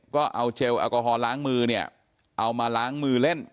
ก็เอาเจลแอลกอฮอลล้างมือเนี่ยเอามาล้างมือเล่น